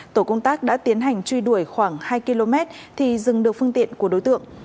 tổ công tác đã tiến hành truy đuổi khoảng hai km thì dừng được phương tiện của đối tượng